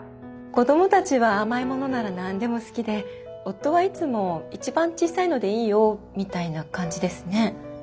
子供たちは甘いものなら何でも好きで夫はいつも「一番小さいのでいいよ」みたいな感じですね。